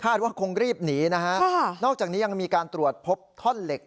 ว่าคงรีบหนีนะฮะนอกจากนี้ยังมีการตรวจพบท่อนเหล็ก